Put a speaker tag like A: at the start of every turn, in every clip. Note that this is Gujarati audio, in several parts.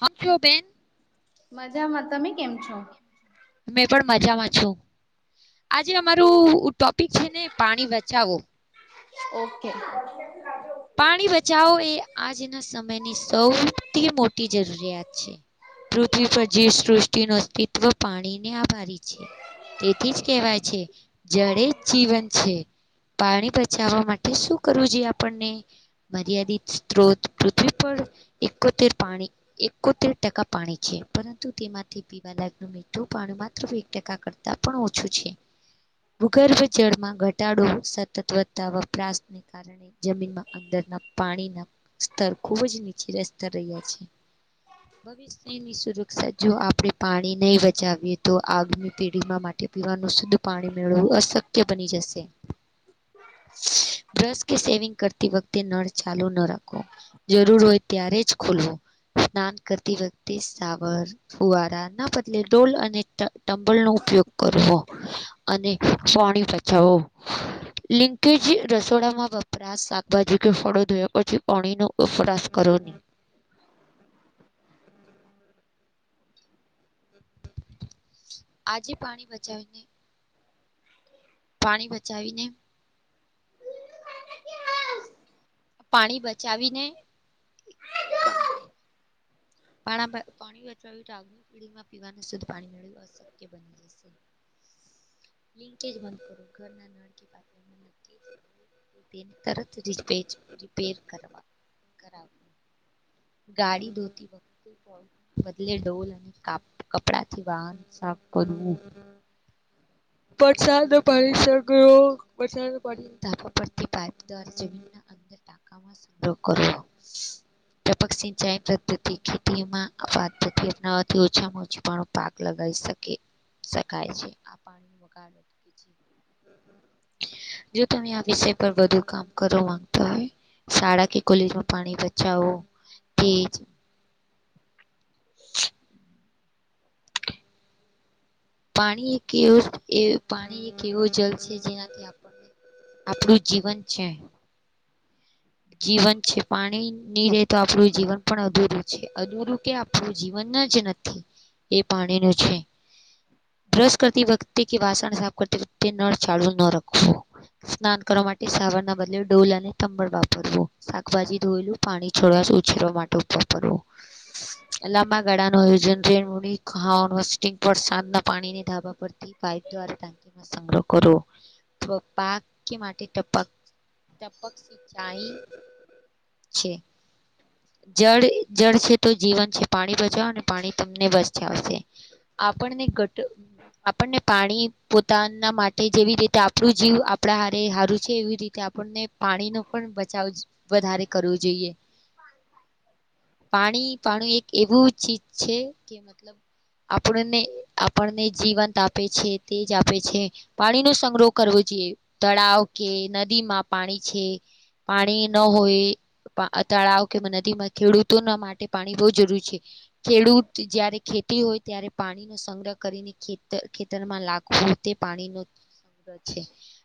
A: હકયુ બેેન.
B: મજામાં તમે કેમ છો?
A: મે પણ મજામાં છું આજે અમારું ટોપિક છે ને પાણી બચાવો.
B: ઓકે.
A: પાણી બચાવો એ આજના સમયની સૌથી મોટી જરૂરિયાત છે. પૃથ્વી પર જે સૃષ્ટિ નો અસ્તિત્વ પાણીને આભારી છે. તેથી જ કેહેવાય છે. જળે જ જીવન છે પાણી બચાવવા માટે શું કરવું જોઈએ આપણને મર્યાદિત સ્ત્રોત પૃથ્વી પર એકોતેર પાણી એકોતેર ટકા પાણી છે પરંતુ તેમાંથી પીવા લાયક મીઠું પાણી માત્ર એક ટકા કરતા પણ ઓછું છે. ભૂગર્ભ જળમાં ઘટાડો સતત વધતા વપરાશને કારણે જમીનમાં અંદરના પાણીના સ્તર ખુબ જ નીચલા સ્તર રહ્યા છે. ની સુરક્ષા જો આપણે પાણી નહીં બચાવીએ તો આગની પેઢીમાં માટે તે પીવાનું શુદ્ધ પાણી મેળવું અશક્ય બની જશે. બ્રશ કે સેવિંગ કરતી વખતે નળ ચાલુ ના રાખો. જરૂર હોય ત્યારે જ ખોલવું સ્નાન કરતી વખતે સાવર ફુવારા ના બદલે ડોલ અને ટ ટંબલ નો ઉપયોગ કરવો. અને પાણી બચાવો. લિંકેજ રસોડામાં વપરા શાક બાજુ કે ફળો ધોયા પછી પાણી નો વપરાશ કરો નહી. આજે પાણી બચાવીને પાણી બચાવીને પાણી બચાવીને પા પાણી બચાવ આગની પીમાં પીવાને શુદ્ધ પાણી મેળવ અશક્ય બની જશે. લિંકેજ બંધ કરો [inaudible] તેને તરત રિપેજ રિપેર કરવા કરાવા. ગાડી ધોતી વખતે. બદલે ડોલ અને કપડા થી વાહન સાફ કરવું. વરસાદ પાણી સગળ વ [inaudible] રસાદ પાણી ધાપ પડતી પાય [inaudible] ખેતીમાં [inaudible] ઓછામાં ઓછી પણ પાક લગી શકે શકાય છે આ પાણી વગ [inaudible] જો તમે આ વિષય પર વધુ કામ કરવા માંગતા હોય. શાળા કે કોલેજમાં પાણી બચાવો એજ. પાણી એક એવું એ પાણી એક એવું જલ છે જેનાથી આપણે આપણું જીવન છે. જીવન છે પાણી નહી રહેે તો આપણું જીવન પણ અધુરું છે અધૂરું કે આપણું જીવન જ નથી એ પાણી નો છે. બ્રશ કરતી વખતે કે વાસણ સાફ કરતી વખતે નળ ચાલુ ન રાખવો. સ્નાન કરવા માટે. તે સાવર ના બદલે ડોલ અને તબળ વાપરવું શાકભાજી ધોયેલું પાણી છોડવા. જીરો માટે ઉપર પડવો લાંબા ગાળા ન આયોજને મડી ખા વરસાદ ના પાણીની ધાબા પર [inaudible] સંગ્રહ કરો પાક માટે ટપક ટપક [unintelligible] છે જળ જળ છે તો જીવન છે પાણી બચવા પાણી તમને બચ જ આવશે આપણને ઘટ આપણને પાણી પોતાના માટે જેવી રીતે આપણું જીવ આપણા હારે હારું છે એવી રીતે આપણને પાણીનું પણ બચાવ વધારે કરવું જોઈએ પાણી પાણી એક એવું ચીજ છે કે મતલબ આપણને આપણને જીવંત આપે છે તે જ આપે છે પાણી નો સંગ્રહ કરવો જોઈએ તળાવ કે નદીમાં પાણી છે પાણી ન હોય તળાવ કે નદીમાં ખેડૂતોના માટે પાણી બહુ જરૂરી છે ખેડૂત જયારે ખેતી હોય ત્યારે પાણીનો સંગ્રહ કરીને ખે ખેતરમાં લાગવું તે પાણીનો સંગ્રહ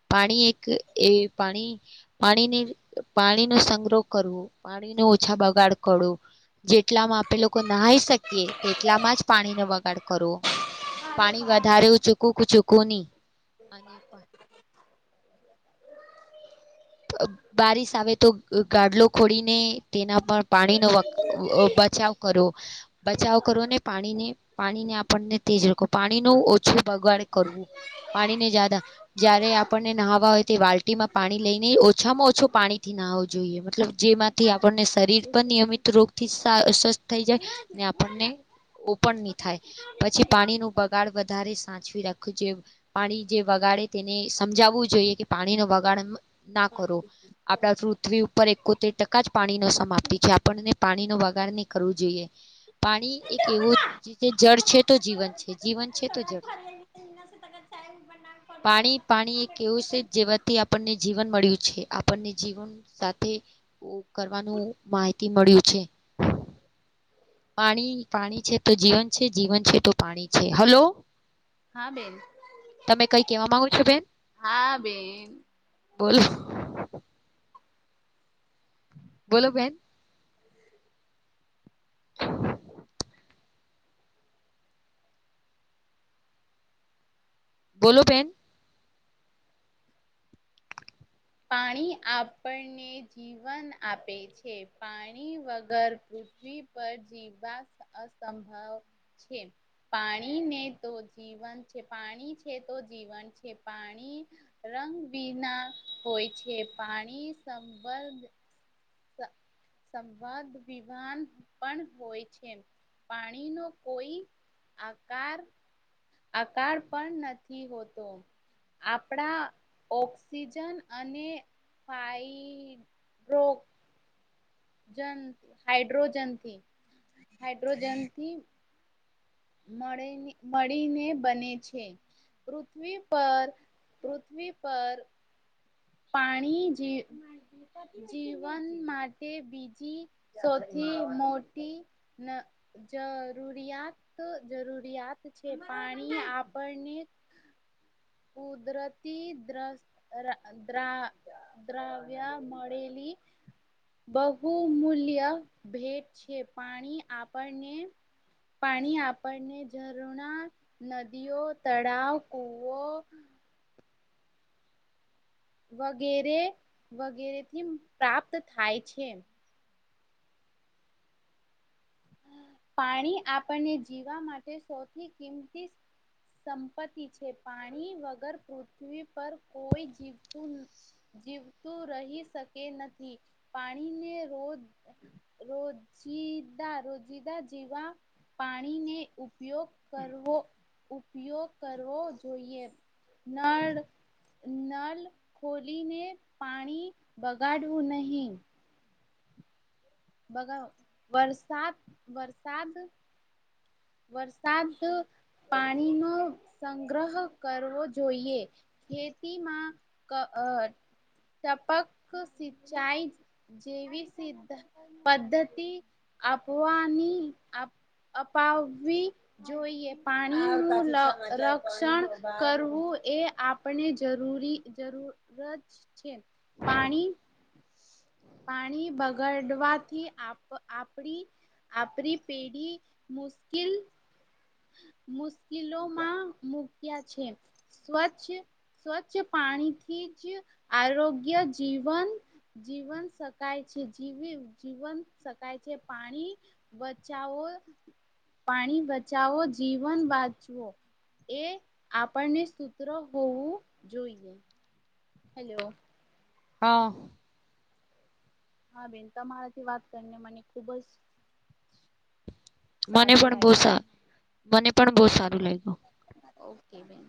A: પાણી એક એ પાણી પાણીની પાણીનો સંગ્રહ કરવો પાણી ન ઓછા બગાડ કરવું જેટલામાં આપે લોકો નહાઈ શકીએ તેટલામાં જ પાણીને બગાડ કરવો પાણી વધારે એ ચૂકવું કે ચૂકવું નહી અને બારિશ આવે તો ગાડલો ખોડીને તેના પર પાણીનો વ બચાવ કરો બચાવ કરો ને પાણીને પાણીને આપણને તેજ રાખો પાણી ન ઓછું બગાડ કરવું પાણી ને જાદા જય્યારે આપણને નહાવા હોય તે વાલ્ટી માં પાણી લઈ ઓછામાં ઓછો પાણીથી નાહ હોવો જોઈએ મતલબ જેમાંથી આપણને શરીર પર નિયમિત રોગ થી સ્વસ્થ થઈ જાય ને આપણને ઓ પણ નહી થાય પછી પાણી નું બગાડ વધારે સાચવી રાખ જો પાણી જે વગાડે તેને સમજાવવું જોઈએ કે પાણી ના વગાડ ના કરો આપણા પૃથ્વી ઉપર એકોતેર ટકા જ પાણી ન સમાપતી છે આપણને પાણીનો વગાડ નહી કરવો જોઈએ પાણી એક એવું જળ છે તો જીવન છે જીવન છે તો જળ છે
B: [inaudible]
A: પાણી પાણી એ કેવું છે જેવાથી આપણને જીવન મળ્યું છે આપણને જીવન સાથે કરવાનું માહિતી મળ્યું છે. પાણી પાણી છે તો જીવન છે જીવન છે તો પાણી છે હલો.
B: હા બેન.
A: તમે કઈ કેવા માંગો છો બેન.
B: હા બેન.
A: બોલો બોલો બેેન. [inaudible] બોલો બેન.
B: પાણી આપણને જીવન આપે છે પાણી વગર પૃથ્ પથ્વી પર જીવા અસંભવ છે. પાણીને તો જીવન છે પાણી છે તો જીવન છે પાણી રંગ વિના હોય છે પાણી સંબંધ સંવાદ વિવાન પણ હોય છે. પાણી નો કોઈ આકાર આકાર પણ નથી હોતો. આપણા ઓક્સિજન અને ફાઈ [unintelligible] જંત હાડ્રોજથી હાઈડ્રોજથી મળે ને મળીની બને છે. પૃથ્વી પર પૃથ્વી પર પાણી જે જીવન માટે બીજી સૌથી મોટી ના જરૂરિયાત જરૂરિયાત છે પાણી આપણને કદરતી દ્રસ દ્ર દ્રાવ્ય મળેલી બહુમૂલ્ય ભેટ છે પાણી આપણને પાણી આપણને ઝરણા નદીઓ તળાવ કૂવો [unintelligible] વગેરે વગેરેથી પ્રાપ્ત થાય છે. પાણી આપણને જીવા માટે સૌથી કિંમતી સંપત્તિ છે પાણી વગર પૃથ્વી પર કોઈ જીવતું જીવતું રહી શકે નથી પાણીને રોજ રોજીદા રોજીદા જીવા પાણીને ઉપયોગ કરવો ઉપયોગ કરવો જોઈએ. નાળ નલ ખોલીને પાણી બગાડવું નહીં. બગા વરસાદ વરસાદ વરસાદ પાણીનો સંગ્રહ કરવો જોઈએ. ખેતીમાં કા ટપક સિંચાઈ જેવી સિધ પદ્ધતિ આપવાની અપ અપાવી જોઈએ પાણી નું રા રક્ષણ કરવું એ અપ આપને જરૂરી જરૂરત છે પાણી પાણી બગાડવાથી આપ આપડી આપરી પેઢી મુશ્કેલ મુશ્કેલોમાં મૂક્યા છે. સ્વચ્છ સ્વચ્છ પાણીથી જ આરોગ્ય જીવન જીવન શકાય છે જી જીવન શકાય છે પાણી બચાવો પાણી બચાવો જીવન બચાવો. એ આપણું સૂત્ર હોવું જોઈએ. હેલો.
A: હા.
B: હા બેન તમારાથી વાત કરીને મને ખુબ જ
A: મને
B: સારું
A: પણ બો
B: લાગ્યું
A: સા મને પણ બહુ સારું લાગ્યું.
B: ઓકે બેન.